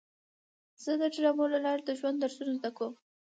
زه د ډرامو له لارې د ژوند درسونه زده کوم.